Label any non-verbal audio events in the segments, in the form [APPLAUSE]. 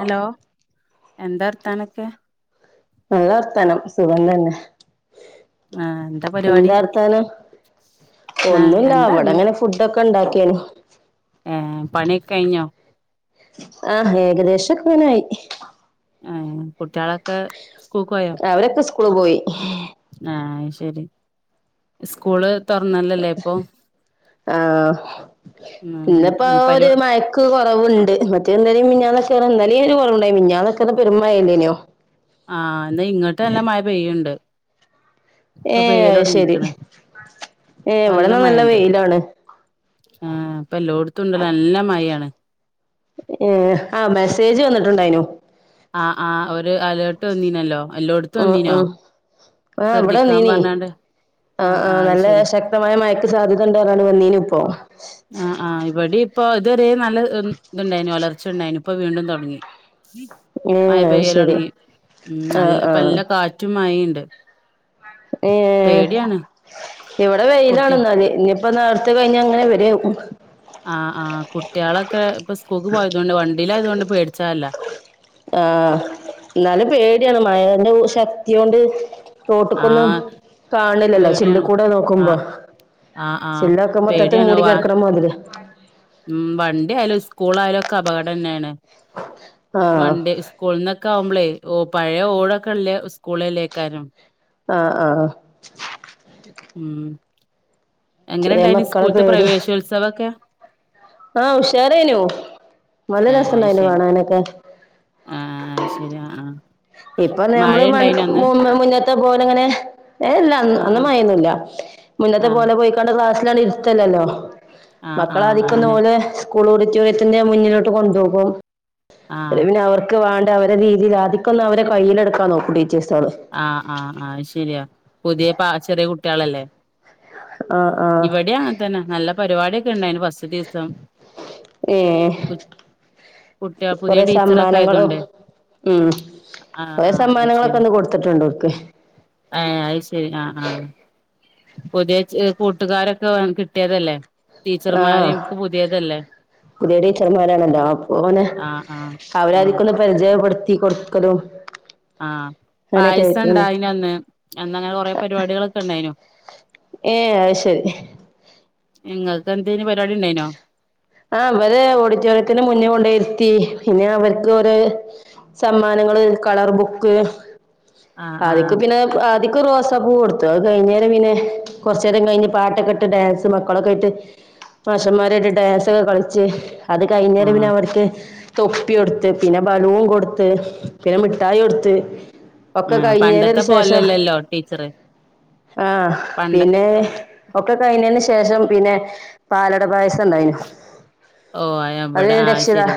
Hello എന്താർഥാനൊക്കെ നല്ല വർത്താനം സുഖം തന്നെ ആ പരിപാടി എന്താ അർത്താനം ആ ഒന്നുല്ല എന്താ അവിടെങ്ങനെ ഫുഡൊക്കെ ഉണ്ടാക്കേനു ആഹ് പണിക്കെ കഴിഞ്ഞോ? ആഹ് ഏകദേശക്കങ്ങനയി ആഹ് കുട്ടിയാളൊക്കെ സ്കൂക്ക് പോയോ? അവരൊക്കെ സ്കൂള് പോയി ആഹ് അയ്ശരി സ്കൂള് തുറന്നല്ലല്ലേ ഇപ്പൊ ആഹ് ഇന്ന്പ്പോ ഉം പരു ഒരു മഴ ക്ക്‌ കുറവ്ണ്ട് മറ്റെ ഇന്നലിം മിഞ്ഞാന്നൊക്കെ ണ് ഇന്നലിം ഒരു കുറവ്ണ്ടായ്നിം മിഞ്ഞാന്നൊക്കെ ന്ന പെരും മഴല്ലേന്നോ ആഹ് ഇന്ന ഇങ്ങട്ട് നല്ല മഴ പെയ്യ്ണ്ട് പ്പ ഏഹ് അത് ശരി പെയ്യലോടങ്ങീക്ക്ണ് ഏഹ് നല്ല ഇവിടെന്നാ മഴണ്ട് വെയിലാണ് ആഹ് ഇപ്പൊ എല്ലോട്ത്തുംണ്ട് നല്ല മഴാണ് ഏഹ് ആഹ് മെസ്സേജ് വന്നിട്ടുണ്ടായിനു ആഹ് ആഹ് ഒരു അലേർട്ട് വന്നീനല്ലോ എല്ലോടത്തും ഉം വന്നീനോ ഉം ആഹ് ഇവിടെ ശ്രദ്ധിക്കാൻ വന്നീനി പറഞ്ഞാണ്ട് ആ ആഹ് ആ ആഹ് അത് നല്ല ശരി ശക്തമായ മഴക്ക് സാധ്യത ഇണ്ട് പറഞ്ഞാണ്ട് വന്നീനു ഇപ്പോ ആഹ് ആഹ് ഇവിടിഇപ്പൊ ഇത്വരെ നല്ല ഉം ഇതു ഇണ്ടായ്നു വളർച്ച ഉണ്ടായിനു ഇപ്പൊ വീണ്ടും തൊടങ്ങി ഏഹ് അത് ശരി മഴപെയ്യലൊടങ്ങി ഉം ആഹ് നല്ലഇപ്പാ ആഹ് നല്ല കാറ്റും മഴിണ്ട് ഏഹ് ഇവിടെ കുട്ടിയ വെയിലാണെഹാല് ഇഞ്പ്പന്ന അടുത്ത കഴിഞ്ഞ ഇങ്ങനെ ആഹ് ആഹ് കുട്ട്യാളൊക്കെ ഇപ്പ സ്കൂക്ക് പോയതോണ്ട് വണ്ടിയിലായതുകൊണ്ട് പേടിചാല്ലാ ആഹ് ഇന്നാലും പേടിയാണ് മഴേന്റെ ശക്തിയോണ്ട് റോട്ട്ക്കൊന്നും ആഹ് കാണില്ലല്ലോ പേടിയാണ് ചില്ല്കൂടെ നോക്കുമ്പോ ആഹ് ആഹ് ആഹ് ചില്ലൊക്കെ മൊത്തത്തിൽ പേടിയാണ് മൂടി വാ കടക്കുന്ന മാതില് ഉം വണ്ടി ആയാലും സ്കൂള് യാലും ഒക്കെ അപകടന്നെണ് ആഹ് വണ്ടി സ്കൂള്ന്നൊക്കെ ആവുമ്പോളേയ് ഓ പഴയ ഓടൊക്കല്ലേ സ്കൂളല്ലേക്കാരം ആഹ് ആഹ് ഉം എങ്ങനെ ചെറിയ ഇണ്ടായിനി മക്കളെ സ്കൂൾത്തെ പേടി പ്രവേശോത്സവൊക്കെ ആഹ് ഉഷാരായിനു നല്ല ഏഹ് അത് രസണ്ടായിനു ശരി കാണാനൊക്കെ ആഹ് അയ്ശെരി ആഹ് ഇപ്പൊ മഴ നമ്മള് മൺ ഇണ്ടായിനോ അന്ന് മുന്നാമിന ത്തെ പോലെ ഇങ്ങനെ ഏഹ് അന്നു ആഹ് ആഹ് മയയൊന്നുല്ല മുന്നത്തെ ആഹ് പോലെ പോയി കൊണ്ട് ക്ലാസ്സില് അങ്ങട് ഇരുത്തല്ലല്ലോ ആഹ് ആഹ് മക്കളാതിക്കുന്ന അന്നെ പോലെ സ്കൂൾ ഓഡിറ്റോറിയത്തിന്റെ മുന്നിലോട്ട് കൊണ്ടുപോകും ആഹ് പിന്നെ അവർക്ക് വേണ്ട അവരെ രീതിയിൽ ആദ്യ ഇപ്പെല്ലാം അവരെ കയ്യിലെടുക്കാ നോക്കും ടീച്ചേഴ്സോള് ആഹ് ആഹ് ആഹ് അത് ശെരിയാ പുതിയ പ ചെറിയ കുട്ടികളല്ലേ ആഹ് ആഹ് ഇവിടെയാങ്ങനെ തന്നെ നല്ല പരിപാടിയൊക്കെ ഉണ്ടായിന് ഫസ് ദിവസം ഏ കുട്ടിക പുതിയ കൊറെ ടീച്ചറൊക്കെ സമ്മാനങ്ങളും ആയതോണ്ടെ ഉം കുറേ ശരി സമ്മാനങ്ങളൊക്കെ അന്ന് കൊടുത്തിട്ടുണ്ട് ഓല്ക്ക് ഏഹ് അത് ശെരി ആഹ് ആഹ് പുതിയ കൂട്ടുകാരൊക്കെ കിട്ടിയതല്ലേ ടീച്ചർമാര് ആഹ് ഒക്ക് പുതിയതല്ലേ പുതിയ ടീച്ചർമാരാണല്ലോ അപ്പം ഓന് ആഹ് ആഹ് ആഹ് അവരാധിക്കുന്ന പരിചയപ്പെടുത്തി കൊടുക്കലും ആഹ് അങ്ങനെയൊക്കെ പായസം ആയിട്ടാണ് ഒണ്ടായിന് അന്ന് അന്ന് അങ്ങനെ കൊറെ പരിപാടികളൊക്കെ ഉണ്ടായിനു ഏഹ് അത് ശെരി നിങ്ങൾക്ക് എന്തേലും പരിപാടി ഉണ്ടായിനോ? ആഹ് അവരെ ഓഡിറ്റോറിയത്തിന് മുന്നെ കൊണ്ടയിരുത്തി പിന്നെ അവർക്ക് ഒര് സമ്മാനങ്ങള് കളർ ബുക്ക് ആഹ് ആഹ് അതൊക്കെ പിന്നെ ആദിക്ക് റോസാപ്പൂ കൊടുത്തു അത് കഴിഞ്ഞേരം പിന്നെ കുറച്ച് നേരം കഴിഞ്ഞ് പാട്ടൊക്കെ ഇട്ട് ഡാൻസ് മക്കളൊക്കെ ആയിട്ട് മാഷന്മാരായിട്ട് ഡാൻസൊക്കെ കളിച്ച് അത് കഴിഞ്ഞേരം ആഹ് പിന്നെ അവർക്ക് തൊപ്പി കൊടുത്ത് പിന്നെ ബലൂൺ കൊടുത്ത് പിന്നെ മിഠായി കൊടുത്ത് ഒക്കെ ആഹ് പണ്ടത്തെ കഴിഞ്ഞേതിന് ശേഷം പോലെല്ലല്ലോ ടീച്ചറ് ആഹ് പണ്ട് പിന്നെ ഒക്കെ കഴിഞ്ഞതിന് ശേഷം പിന്നെ പാലട പായസം ഉണ്ടായിനു ഓഹ് അത് ഇവിടെ കഴിഞ്ഞ് ആഹ് രക്ഷിതാ ശരി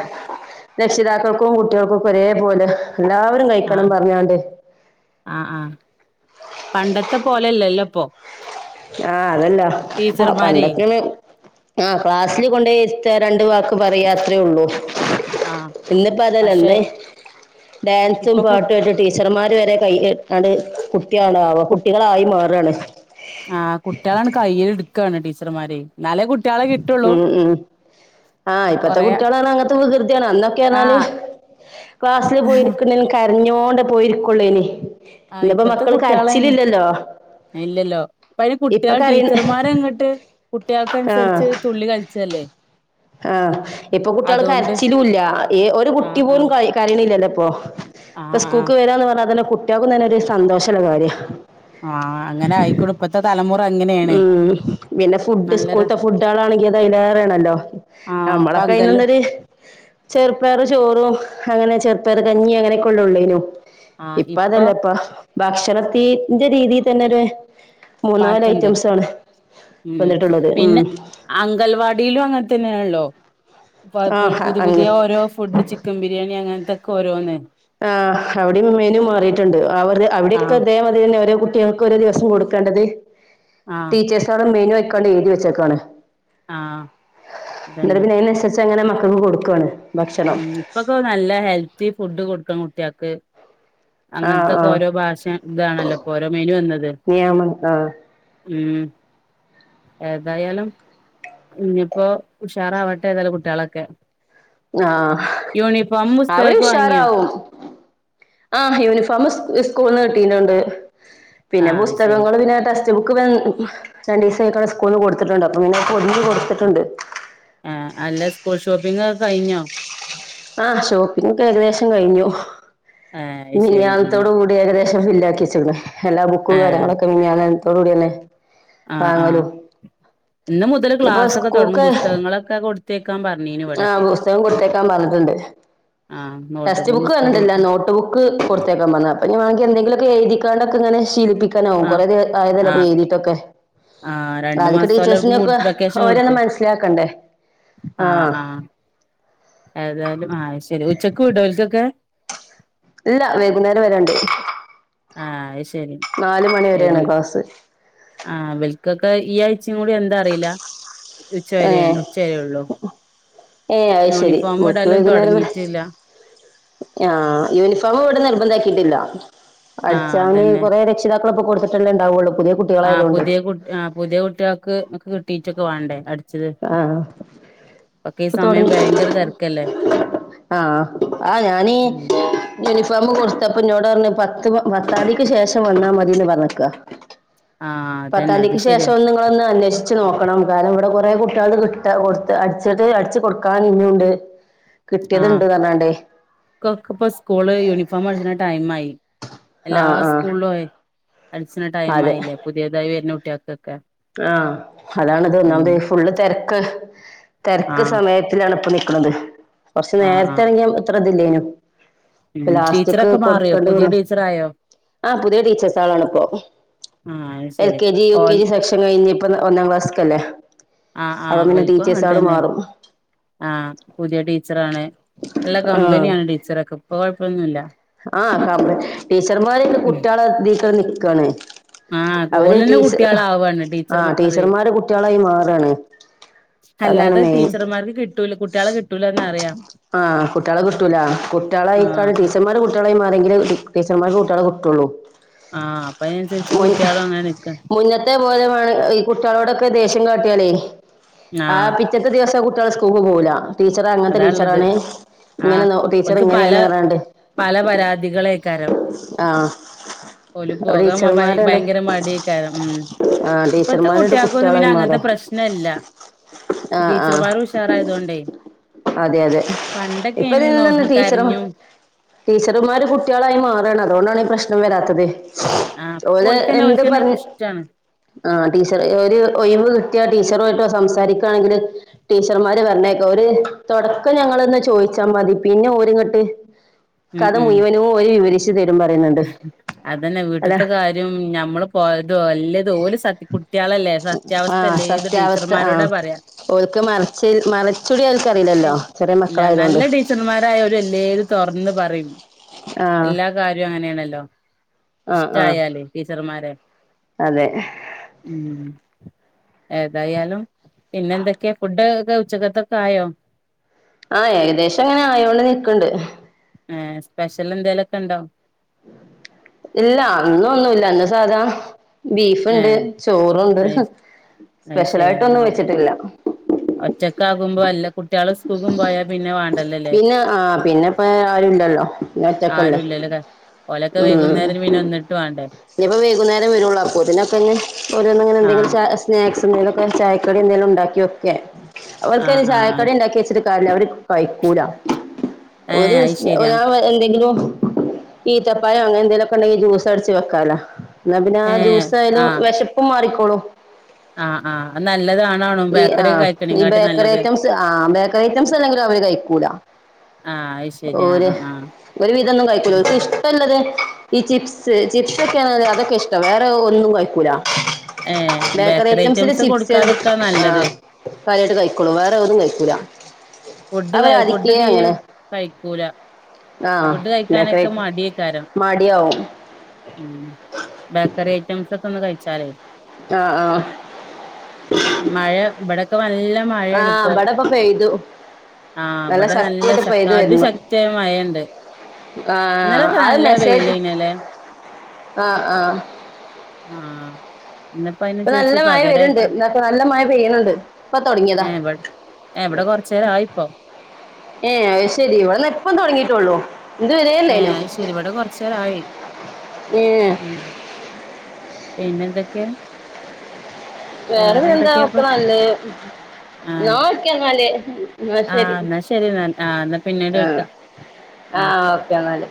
രക്ഷിതാക്കൾക്കും കുട്ടികൾക്കും ഒക്കെ ഒരേപോലെ എല്ലാവരും കഴിക്കണം ആഹ് പറഞ്ഞാണ്ട് ആഹ് ആഹ് പണ്ടത്തെ പോലെല്ലല്ലോ ഇപ്പോ ആഹ് അതല്ല ആഹ് ടീച്ചർമാരെ പണ്ടൊക്ക ആഹ് ക്ലാസ്സില് കൊണ്ട് ഇരുത്തുക രണ്ട് വാക്ക് പറയാ അത്രേ ഉള്ളൂ ആഹ് ഇന്നിപ്പൊ പക്ഷെ അതല്ലല്ലേ ഡാൻസും ഇപ്പൊ കു പാട്ടും ഒക്കെ ഇട്ട് ടീച്ചർമാര് വരെ കൈയ് കുട്ടിയാണ് കു കുട്ടികളായി മാറുവാണ് ആഹ് കുട്ടികളാണ് കയ്യില് എടുക്കയാണ് ടീച്ചർമാരെ എന്നാലേ കുട്ടികളെ കിട്ടുള്ളൂ ഉം ഉം ആഹ് ഇപ്പഴത്തെ കൊറേ കുട്ടികളാണ് അങ്ങനത്തെ വികൃതിയാണ് അന്നൊക്കെ പറഞ്ഞാല് ആഹ് ക്ലാസ്സില് പോയിരിക്കുനി കരഞ്ഞോണ്ട് പോയിരിക്കുള്ളൂനി ആഹ് ഇപ്പത്തെ കുട്ടികളായിന്ന് ഇല്ലല്ലോ ഇപ്പയിന് ഇപ്പൊ കുട്ടികൾ കരയ് ടീച്ചർമാരങ്ങോട്ട് ആഹ് കുട്ടികൾക്കനുസരിച്ച് തുള്ളി കഴിച്ചല്ലേ ആഹ് ഇപ്പൊ കുട്ടികൾ കരച്ചിലുംല്ല ഈ ഒരു കുട്ടി ആഹ് പോലും ആഹ് കരയണില്ലല്ലോ ഇപ്പൊ ആഹ് ഇപ്പൊ ആഹ് സ്കൂൾക്ക് വരാന്ന് പറഞ്ഞാൽ തന്നെ കുട്ടികൾക്കും തന്നെ ഒരു സന്തോഷമുള്ള കാര്യവാ ആഹ് അങ്ങനെ ആയിക്കോളും ഇപ്പത്തെ തലമുറ അങ്ങനെയാണ് ഉം പിന്നെ ഫുഡ് നല്ല ര സ്കൂൾ തെ ഫുഡ് ആളാണെങ്കിൽ അത് അതിലേറെ ആണല്ലോ ആഹ് ഇപ്പ നമ്മളൊക്കെ അങ്കല് അതിന ചെറുപ്പയർ ചോറും അങ്ങനെ ചെറുപ്പയറ് കഞ്ഞി അങ്ങനെയൊക്കെ ഉള്ളെ ഉള്ളേനു ഇപ്പൊ അതല്ല ഇപ്പൊ ഭക്ഷണത്തിന്റെ രീതിൽ തന്നെ ഒരു മൂന്നാല് മാറ്റണ്ട് ഐറ്റംസാണ് വന്നിട്ടുള്ളത് ഉം. അംഗൽവാടീലും അങ്ങൻതന്നേണല്ലോ ഇ പു ആഹ് പുതിയെ അങ്ങ് പുതിയെ ഓരോ- ഫുഡ് ചിക്കം ബിരിയാണി അങ്ങൻത്തൊക്കെ ഓരോന്ന് ആ അവിടിം മെനു മാറിട്ട്ണ്ട് അവ അവിടെയൊക്കെ ആഹ് ഇതേ മാ തിരിയെന്നെ ഓരോ കുട്ടിയാക്ക് ഓരോ ദിവസം കൊടുക്കണ്ടത് ആഹ് ടീച്ചേസ് - മെനു വെക്കാണ്ട് എഴുതി വെച്ചേക്കാണ് ആഹ് ഇന്നട്ട് അതന്നെ പിന്നെ അയിനൻസ ച്ചങ്ങനെ മക്കക്ക് കൊടുക്കാണ് ഉം ഇപ്പൊക്കെ നല്ല ഹെൽത്തി ഫുഡ് കൊടുക്കണം കുട്ടിയാക്ക്. ആഹ് അങ്ങൻത്തൊക്കെ ആഹ് ഓരോ ഭാഷെ ഇതാണല്ലോ. ഇപ്പൊ ഓരോ മെനു വന്നത്. നിയമം ആഹ് ഉം ഏതായാലും ഇഞ്ഞിപ്പോ ഉഷാറാവട്ടെ ഏതായാലും കുട്ടിയാളൊക്കെ. ആ പുസ്തകമൊക്കെ വാങ്ങിയോ അവരുഷാറാവും. ആ യൂണിഫോമ് സ് സ്ക്കൂൾന്ന് കിട്ടീനുണ്ട് പിന്നെ ആഹ് ശരി പുസ്തകങ്ങള് പിന്നെ ട്ടെസ് റ്റ്ബുക്ക്‌ രണ്ടീസ അയിക്ക്ണ് സ്കൂള്ന്ന് കൊട്ത്തിട്ട്ണ്ട് അപ്പൊ പിന്നെ അത് പൊതിഞ്ഞ് കൊടുത്തിട്ടുണ്ട് ആ അല്ല സ്കൂൾ ഷോപ്പിംങ്ങൊക്കെ കഴിഞ്ഞോ? ആ ഷോപ്പിംഗ് ഒക്കെ ഏകദേശം കഴിഞ്ഞു ആഹ് ശരി ആഹ് മിനിയാന്നത്തോട് കൂടി. ഏകദേശം ഫില്ലാക്കി വച്ചിക്ക്ണ് എല്ലാ ബുക്കും ആഹ് കാര്യങ്ങളൊക്കെ മിഞ്ഞാന്നെ ത്തോടുകൂടിയന്നെ ആ ആ ഇന്ന് മുതല് ഇപ്പൊ ക്ലാസ്സൊക്കെ തൊട്ങ്ങും സ്കൂൾക്ക് പുസ്തകങ്ങളൊക്കെ കൊടുത്തേക്കാൻ പറഞ്ഞീനു ഇവിടൊക്കെ. ണ്ട്. ആ നോട്ട്ബുക്കും ടെസ്റ്റ്‌ബുക്ക് പുസ്തകവും പറഞ്ഞിട്ടില്ല ഒക്കെ നോട്ട് നോട്ട് ബുക്ക് കൊട്ത്തെക്കാം പറഞ്ഞു. അപ്പ ഞാൻ [UNINTELLIGIBLE] എന്തെലൊക്ക എഴുതിക്കാണ്ടക്കങ്ങനെ ശീലിപ്പി ക്കനാവും ആ കൊറേത് ആയതല്ലെ ആ ഇപ്പെയ്യ്തീട്ടൊക്കെ ആ രണ്ടു ആദ്യക്ക മാസത്തോലെ ടീച്ചേഴ്‌സിനെയൊക്കെ, അവർക്ക് വെക്കേഷൻ ഓരൊ ഒന്ന് കൊടുത്തു മനസ്സിലാക്കണ്ടേ? ആ ആഹ് ആ ഏതായാലും, ആ ശരി, ഉച്ചക്ക് വിട്വോ ഓല്തൊക്കെ. ഇല്ല വൈകുന്നേരം വരെ ഇണ്ട് ആഹ് അയ് ശെരി. നാല്മണി വരേണ് ക്ലാസ്. ആ ഇവൽക്കൊക്കെ ഈ ആഴ്ച്ചിം കൂടി എന്താ അറീല്ല, ഉച്ച വരേ ണ് ഉച്ചവരേ ഉള്ളൂ. ഏ അത് ശരി ഓൽക്ക് ഇടലും വൈകുന്നേരം വരേ തുടങ്ങിയിട്ടില്ല ആ യൂണിഫോമ് ഇവിടെ നിർബന്താക്കിട്ടില്ല ആ അടിച്ചാന് അതന്നെ കൊറെ രെക്ഷ ക്ഷിതാകള് ഇപ്പ കൊടുത്തിട്ടല്ലെ ഇണ്ടാവൊള്ളൂ പുതിയേ ആ പുതിയെ കുട് ആ പുതിയേ കുട്ടിയാക്ക് ഒക്കെ കിട്ടീറ്റൊക്കെ വാണ്ടേ അട് ആ ഈ ഇപ്പൊ സമയം തൊടങ്ങി ഭയങ്കര തിരക്കല്ലേ ആ ആ ഞാനീ ഉം യൂണിഫോമ് കൊടുത്തപ്പന്നോട് പറഞ് പത്ത് പത്താംന്തിക്ക് ശേഷം വന്നാ മതിന്ന് പറഞ്ക്ക ആ അതന്നെ അത് പത്താംന്തിക്ക് ശരിയാ ശേഷം ഒന്ന് ഒന്നന്വേഷിച്ച് നോക്കണം, കാരണം ഇവിടെ കൊറെ കുട്ടിയാളത് കിട്ടാ കൊടുത്ത് അടിച്ചിട്ട് അടിച്ച് കൊടുക്കാൻ ഇഞ്ഞുണ്ട്. കിട്ടിയെത് ഇണ്ട് ന്നർഞ്ഞാണ്ടേ ക്കൊക്കപ്പ സ്കൂള് യൂണിഫോം അടിച്ച്ണ ടൈമായി ആ എല്ലാ ആ സ്കൂളൊയ് അടിച്ച്ണ അതെ ടൈമായില്ലേ പുതിയതായി വര്നെ കുട്ടിയാക്കൊക്കെ. ആ അതാണ്ത് ഒന്നാമതെയ് ഫുള്ള് തെരക്ക്. തെരക്ക് ആഹ് സമയത്തിലാണ് ഇപ്പൊ നിക്ക്ണത് കൊർച്ച് ആഹ് ആഹ് നേരത്തെണെങ്കി ഇത്ര ഇതില്ലേനു. ഉം ഇപ്പൊ ലാസ്റ്റ്ക്ക് ടീച്ചറൊക്കെ മാറിയോ കൊടുക്കേണ്ടി പുതിയേ വന്നു ടീച്ചറായോ? ആ പുതിയ ടീച്ചേഴ്സ് ആളാണിപ്പോ ആ അത് ശരി ഓൽ അല്ല ഇനീപ്പം ഒന്നാം ക്ലാസ്സക്കല്ലേ ആഹ് അപ്പ പിന്നെ ടീച്ചേഴ്സ ആള് മാറും ആ പുതിയ ടീച്ചറാണ് നല്ല ആ കമ്പനിയാണ് ടീച്ചറൊക്കെ ഇപ്പൊ കൊഴപ്പൊന്നുല്ല ആ പറഞ്ഞു ടീച്ചർമാരൊക്കെ ഉം കുട്ടികളേ ബേസ് ചെയ്ത് നിക്കാണ് ആഹ് അവര് ഓലന്നെ ടീച്ച കുട്ടികളാവാണ് ആ ടീച്ചർമാരെ ടീച്ചർമാര് കുട്ടികളായി മാറാണ് അതാണ് മെയിൻ കിട്ടൂല്ല കുട്ട്യാളെ കിട് ട്ടൂല്ലന്നറിയാം. ആഹ് കുട്ടിയളെ കിട്ടൂല കുട്ടിയള ആഹ് അയ്ക്ക അപ്പൊ ടീച്ചർമാര് കൂട്ടാളെ [UNINTELLIGIBLE] ടീച്ചർമാർക് കുട്ട്യാളെ കിട്ടുള്ളൂ ആഹ് അപ്പ അയിനനുസരിച്ച് മുൻ കുട്ടിയളും അങ്ങനെ നിക്ക [UNINTELLIGIBLE] ഈ കുട്ടികളോടൊക്കെ ദേഷ്യം കാട്ടിയാലേ ആ ആഹ് പി ഇന്നത്തെ ദിവസം കുട്ടിയൾ സ്കൂൾക്ക് പോവുല്ല ടീച്ചർ അങ്ങനത്തെ ടീച്ചർ അതാള്ളത് ആണ് ഇങ്ങനെ ആഹ് ഓല്ക്ക് പല പല പരാതികളെക്കാരം ആഹ് ഓല് പോകാൻ ടീച്ചർമാരുണ്ട് ഭയങ്കര മടിയൊക്കെ ഉം ആഹ് ഇപ്പത്തെ ടീച്ചർമാരുണ്ട് കുട്ടിയേക്കൊന്നും പിന്നെ കുട്ടികളായി അങ്ങനത്തെ മാറാ പ്രശ്നല്ല. ആഹ് ആഹ് ടീച്ചറ് ആയതുകൊണ്ടേ. അതെ അതെ ഇപ്പം തിന്നന്ന് ടീച്ചറും കരഞ്ഞും ടീച്ചർമാർ കുട്ടികളായി മാറു ആണ് അതുകൊണ്ടാണ് ഈ പ്രശ്നം വരാത്തത് ആഹ് അപ്പ ഓല്ക്കെന്നെ ഓല്ക്കന്നെ ഇഷ്ട്ടാണ് ആഹ് ടീച്ചർ ഒരു ഒഴിവ് കിട്ടിയ ടീച്ചർ ആയിട്ട് സംസാരിക്കുകണെങ്കില് ടീച്ചർമാര് പറഞ്ഞയക്കെ ഓര് തുടക്കം ഞങ്ങള്ന്ന് ചോയിച്ചാ മതി പിന്നെ ഓരിങ്ങട്ട് ഉം കഥ ഉം മുഴുവനും ഓരു വിവരിച്ച് തരും വരും പറയുന്നുണ്ട് അതന്നെ അതാ വീട്ടിത്തെ കാര്യം ഞമ്മള് പോയത് അല്ലത് ഓല സത്തി കുടു കുട്ടിയളല്ലേ സത്യാവസ്ഥയല്ലേ ഏത് ടീച്ചർമാരോടാ പറയ ഓര്ക്ക് മറച്ച് മറച്ചൂടി അവർക്ക് അറിയില്ലല്ലോ ചെറിയ മക്കളായതുകൊണ്ട് ടീച്ചർമാര് ഓര് അല്ലേലും തുറന്ന് പറയും ആ എല്ലാ കാര്യവും അങ്ങനെയാണല്ലോ ആ ആ ഇഷ്ടായല് ടീച്ചർമാരെ അതെ ഉം ഏതായാലും പിന്നെ എന്തൊക്കെയാ ഫുഡ് ഉച്ചക്കത്തെക്കെ ആയോ. ആഹ് ഏകദേശം അങ്ങനെ ആ യോണ്ട് നിക്കണ്ട്. ഏഹ് സ്പെഷ്യൽ എന്തേലുക്കെ ഇണ്ടോ ഇല്ല ഇന്ന് ഒന്നുല്ല ഇന്ന് സാധാ ബീഫ്ണ്ട് ഏഹ് ചോറുണ്ട് അയ് സ്പെഷ്യലായിട്ടൊന്നും വെച്ചിട്ടില്ല ഒറ്റക്ക ആകുമ്പോ എല്ലാ കുട്ടിയള് സുകുക്കും പോയാ പിന്നെ വേണ്ടല്ലല്ലേ. പിന്നെ ആഹ് പിന്നെപ്പ ആരുല്ലല്ലോ പിന്നെ ഒറ്റക്കല്ലേ ആരുംല്ലല്ലോ ഓലൊക്കെ ഉം വൈകുന്നേരം പിന്നെ വന്നിട്ട് വേണ്ടേ ഇനിയിപ്പോ വൈകുന്നേരം വരുള്ളൂ അപ്പൊത്തിനൊക്കെ ഞ് ഓരോന്ന് അങ്ങനെന്തെങ്കിലും ആഹ് ചായ സ്നാക്സ് എന്തേലുക്കെ ചായക്കടി എന്തെങ്കിലും ഉണ്ടാക്കിയ വെക്കാൻ അവക്ക് ആഹ് ചായക്കട ആഹ് ഉണ്ടാക്കി വെക് ചിട്ട് കാര്യം ഇല്ല അവര് കഴിക്കൂല ഒരു ഏഹ് അയ് ശരിയാ ഞ്ഞാ എന്തെങ്കിലും ഈത്തപ്പഴം അങ്ങനെ എന്തേലൊക്കെ ഉണ്ടെങ്കിൽ ജൂസ് അടച് വെക്കലാ എന്നാ പിന്നെ ആ ഏഹ് ജ്യൂസായാലും ആഹ് വെശപ്പും മാറിക്കോളൂ ആഹ് ആഹ് നല്ലതാണ് ഈ ആഹ് ഈ ബേക്കറി ഐറ്റംസ്, ആഹ് ബേക്കറി ഐറ്റംസ് അല്ലെങ്കിലും അവര് കഴിക്കൂല. ആഹ് അയ് ശെ ഓര് ഒരു വിതൊന്നും കഴിക്കൂല. ഓൽക്ക് ആഹ് ഇഷ്ട പ്പെള്ളെത് ഈ ചിപ്സ്, ചിപ്സ് ഒക്കെയാണ്ള്ളത് അതൊക്കെ ഇഷ്ടം. വേറെ ഒന്നും കഴിക്കൂലാ. ഏഹ് ബേക്കറി ഐറ്റംസ് ല് ചിപ്സ് കൊടുക്കാതിക്കാ ആ നല്ലത് കാര്യായിട്ട് കഴിക്കൊള്ളൂ. വേറെ ഒന്നും കഴിക്കൂല. ഫുഡ് ക അവര് ഫുഡ് ആദിക്കേ തീരെ അങ്ങനെ കഴിക്കൂല. ആ ഫുഡ് ബേക്കറി കഴിക്കാനൊക്കെ മടിയേക്കാരം. മടിയാവും ഉം ബേക്കറി ഐറ്റംസ് ഒക്കെ ഒന്ന് കഴിച്ചാലേ. ആ ആ മഴ ബടൊക്കെ നല്ല മഴയാണ് പ്പൊ. പ്പം പെയ്തു. ആഹ് വടെ നല്ല ശക്തിയായിട്ട് പെയ്തു ശക്തമാ അധി വരുന്നു ശക്തിയായ മഴണ്ട്. ആഹ് അഹ് മെസ്സേജ്, വെയിലേനല്ലേ ആഹ് ആഹ് ആഹ് ഇന്ന് പ്പൊ ഇപ്പൊ നല്ല അയിനൻസരിച്ച് മഴ വര്ണ്ട് പകരായിട്ട് ഇന്നൊക്കെ നല്ല മഴ പെയ്യ്ണ്ണ്ട് ഇപ്പൊ തൊടങ്ങിയതാ ഏഹ് വ ഏഹ് വടെ കൊർച്ചേരം ആയിപ്പം. ഏഹ് അത് ശെരി. ഇവടെന്നാപ്പം തൊടങ്ങീട്ടൊള്ളൂ. ഏഹ് അഹ്ശെരി. ഇവടെ കൊർച്ചേരായി ഏഹ് ഉം എയ്നെന്തെക്കേ? വേറെ എന്താ ഒക്കെ നല്ലേ. ന്നാ ആഹ് ഓക്കെ ന്നാല്. ന്നാ ശരി. ആഹ് എന്നാ ശരി എന്നാൽ ആഹ് എന്നാ പിന്നീട് ആഹ് വിളിക്കാം ആഹ് ഓക്കെ ന്നാല്.